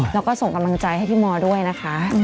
แล้วก็ส่งกำลังใจให้พี่มอด้วยนะคะ